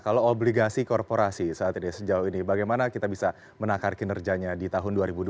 kalau obligasi korporasi saat ini sejauh ini bagaimana kita bisa menakar kinerjanya di tahun dua ribu dua puluh